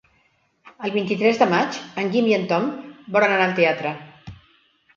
El vint-i-tres de maig en Guim i en Tom volen anar al teatre.